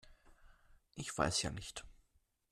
Ich weiß ja nicht.